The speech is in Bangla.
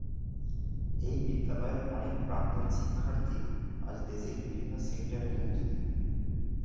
এই বিদ্যালয়ের অনেক প্রাক্তন শিক্ষার্থী আজ দেশের বিভিন্ন সেক্টরে নিয়োজিত।